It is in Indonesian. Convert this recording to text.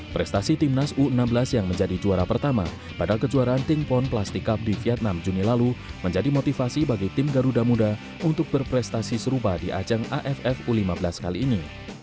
prestasi timnas u enam belas yang menjadi juara pertama pada kejuaraan timpon plastik cup di vietnam juni lalu menjadi motivasi bagi tim garuda muda untuk berprestasi serupa di ajang aff u lima belas kali ini